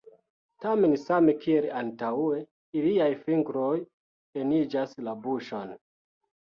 Tamen, same kiel antaŭe, iliaj fingroj eniĝas la buŝon.